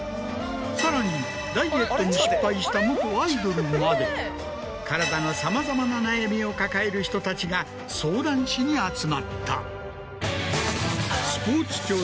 さらにダイエットに失敗した元アイドルまで体のさまざまな悩みを抱える人たちが相談しに集まった。